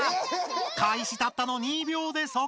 開始たったの２秒でそっ